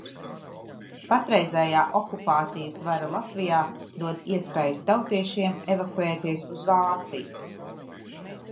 Patreizējā okupācijas vara Latvijā dod iespēju Tautiešiem evakuēties uz Vāciju.